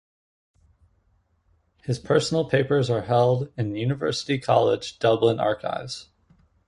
His personal papers are held in University College Dublin Archives.